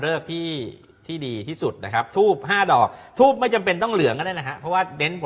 เล็กเล็กเล็กเล็กเล็กเล็กเล็กเล็กเล็กเล็กเล็กเล็กเล็กเล็ก